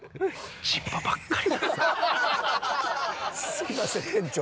すみません店長。